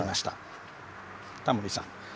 タモリさん